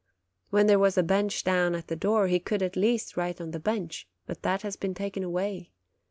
When there was a bench down at the door, he could, at least, write on the bench ; but that has been taken away.